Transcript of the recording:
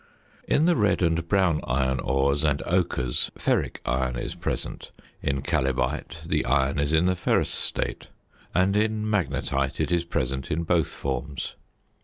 In the red and brown iron ores and ochres ferric iron is present; in chalybite the iron is in the ferrous state; and in magnetite it is present in both forms.